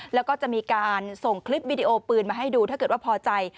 แล้วก็จะมีการส่งคลิปวิดีโอปืนมาให้ดูถ้าเกิดว่าพอใจ